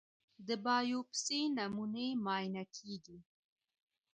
د بایوپسي نمونې معاینه کېږي.